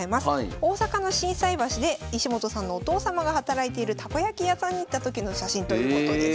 大阪の心斎橋で石本さんのお父様が働いているたこ焼き屋さんに行った時の写真ということです。